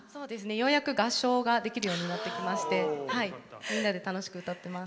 ようやく合唱ができるようになってきてみんなで楽しく歌ってます。